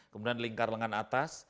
kemudian lingkar lengan atas